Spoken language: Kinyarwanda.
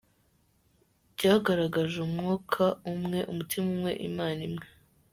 Byagaragaje Umwuka umwe, umutima umwe, Imana imwe.